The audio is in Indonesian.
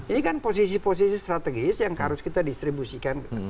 ini kan posisi posisi strategis yang harus kita distribusikan